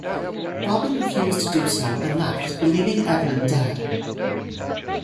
Robin refused to do so and left, believing Edmund dead.